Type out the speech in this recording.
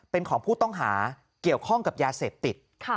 เป็นของผู้ต้องหาเกี่ยวข้องกับยาเสพติด